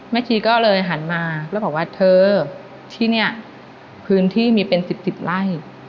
ชีก็เลยหันมาแล้วบอกว่าเธอที่นี่พื้นที่มีเป็น๑๐๑๐ไร่